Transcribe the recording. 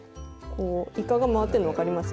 イカが回ってるの分かります？